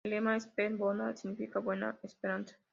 El lema, "Spes Bona", significa "Buena Esperanza".